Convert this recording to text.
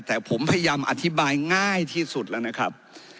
แต่ผมพยายามอธิบายง่ายที่สุดแล้วนะครับ